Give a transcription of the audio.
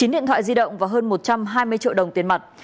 chín điện thoại di động và hơn một trăm hai mươi triệu đồng tiền mặt